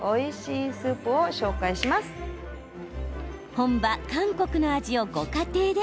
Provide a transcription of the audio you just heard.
本場、韓国の味をご家庭で。